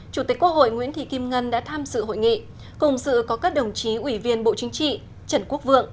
chủ tịch quốc hội nguyễn thị kim ngân đã tham dự hội nghị cùng sự có các đồng chí ủy viên bộ chính trị trần quốc vượng